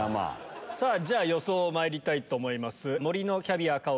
さぁ予想まいりたいと思います。